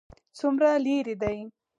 څومره لیرې دی؟